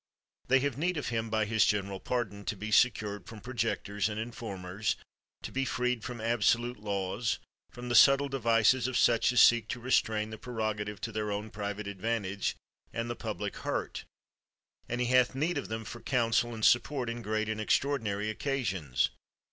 They have need of him by his general pardon — to be secured from projectors and informers, to be freed from absolute laws, from the subtle de vices of such as seek to restrain the prerogative to their own private advantage, and the public hurt ; and he hath need of them for counsel and support in great and extraordinary occasions.